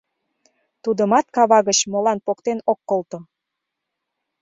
Тудымат кава гыч молан поктен ок колто?..